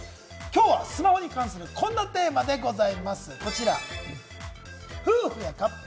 今日はスマホに関するこんなテーマでございます。